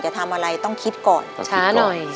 ใช่ค่ะ